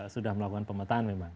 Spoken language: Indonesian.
sudah melakukan pemetaan memang